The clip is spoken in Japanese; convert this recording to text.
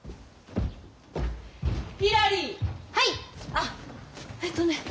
あっえっとねえ